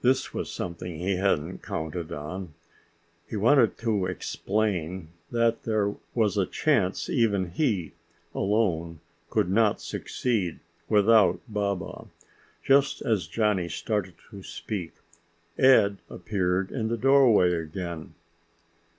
This was something he hadn't counted on. He wanted to explain that there was a chance even he, alone, could not succeed without Baba. Just as Johnny started to speak, Ed appeared in the doorway again.